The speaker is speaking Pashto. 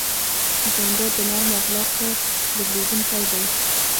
جانداد د نرمو اخلاقو درلودونکی دی.